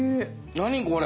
何これ！